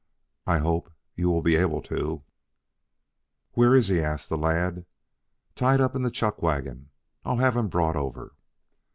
I hope you will be able to." "Where is he?" asked the lad. "Tied up in the chuck wagon. I'll have him brought over."